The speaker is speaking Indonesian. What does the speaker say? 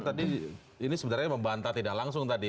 tadi ini sebenarnya membantah tidak langsung tadi